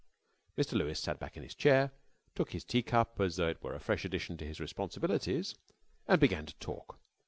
Mr. Lewes sat back in his chair, took his tea cup as though it were a fresh addition to his responsibilities, and began to talk.